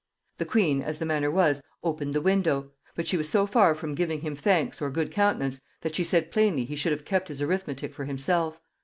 The queen, as the manner was, opened the window; but she was so far from giving him thanks or good countenance, that she said plainly he should have kept his arithmetic for himself.